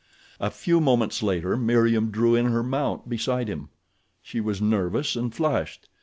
A few moments later Meriem drew in her mount beside him. She was nervous and flushed.